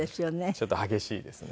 ちょっと激しいですね。